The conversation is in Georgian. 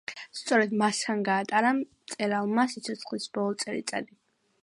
სწორედ მასთან გაატარა მწერალმა სიცოცხლის ბოლო წელიწადი.